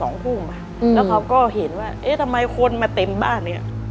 อืมแล้วเขาก็เห็นว่าเอ๊ะทำไมคนมาเต็มบ้านเนี้ย